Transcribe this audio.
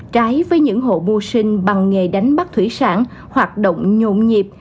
trái với những hộ bu sinh bằng nghề đánh bắt thủy sản hoạt động nhộn nhịp